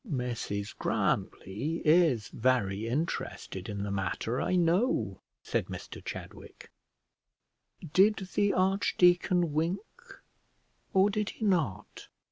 "Mrs Grantly is very interested in the matter, I know," said Mr Chadwick. Did the archdeacon wink, or did he not?